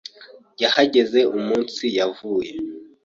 Yahageze umunsi yavuye.